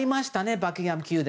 バッキンガム宮殿。